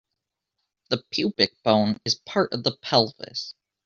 The pubic bone is part of the pelvis.